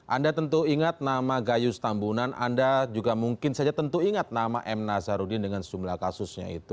anda tentu ingat nama gayus tambunan anda juga mungkin saja tentu ingat nama m nazarudin dengan sejumlah kasusnya itu